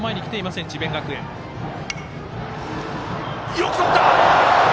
よくとった！